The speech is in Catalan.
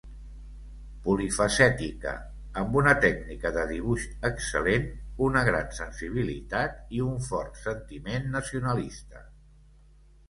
Polifacètica, amb una tècnica de dibuix excel·lent, una gran sensibilitat i un fort sentiment nacionalista.